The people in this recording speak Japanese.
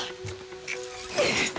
くっ！